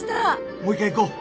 もう一回行こう。